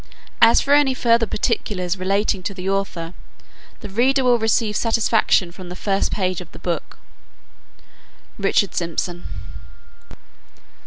As for any further particulars relating to the author, the reader will receive satisfaction from the first pages of the book. RICHARD SYMPSON.